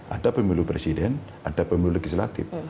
ada pemilu presiden ada pemilu legislatif